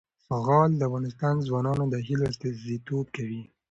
زغال د افغان ځوانانو د هیلو استازیتوب کوي.